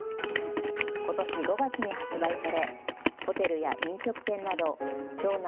ことし５月に発売されホテルや飲食店など町内